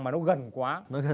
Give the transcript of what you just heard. mà nó gần quá